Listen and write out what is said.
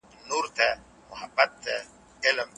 ایا د پاني پت جګړه د مسلمانانو په ګټه وه؟